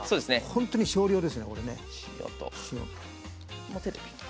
本当に少量ですね。